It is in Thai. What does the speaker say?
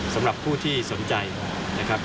สำหรับผู้ที่สนใจนะครับ